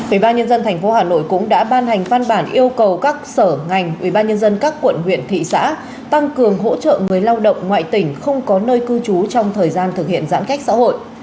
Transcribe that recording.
ủy ban nhân dân tp hà nội cũng đã ban hành văn bản yêu cầu các sở ngành ubnd các quận huyện thị xã tăng cường hỗ trợ người lao động ngoại tỉnh không có nơi cư trú trong thời gian thực hiện giãn cách xã hội